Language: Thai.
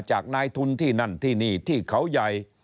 จากนายทุนที่นั่นที่นี่ที่เขาใหญ่